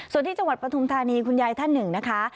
ส่วนที่จังหวัดปฐุมธานีคุณยายท่านหนึ่งนะคะ